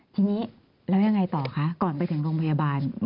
ทีนี้แล้วยังไงต่อคะก่อนไปถึงโรงพยาบาล